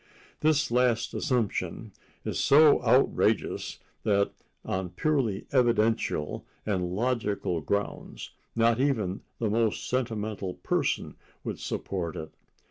This last assumption is so outrageous that, on purely evidential and logical grounds, not even the most sentimental person would support it.